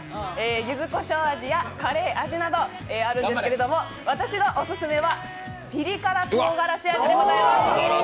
ゆずこしょう味やカレー味などあるんですが私のオススメはピリ辛とうがらし味でございます。